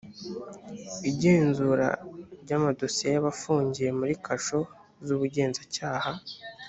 igenzura ry amadosiye y abafungiye muri kasho z ubugenzacyaha